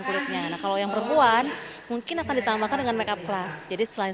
kulitnya kalau yang perempuan mungkin akan ditambahkan dengan makeup kelas jadi selain